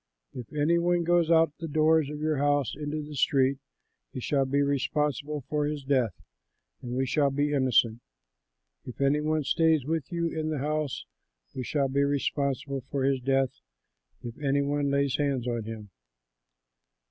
If any one goes out of the doors of your house into the street, he shall be responsible for his death and we shall be innocent. If any one stays with you in the house, we will be responsible for his death if any one lays hands on him.